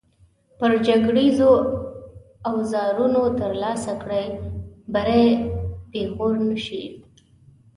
پر جګړیزو اوزارو ترلاسه کړی بری پېغور نه شي.